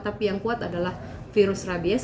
tapi yang kuat adalah virus rabies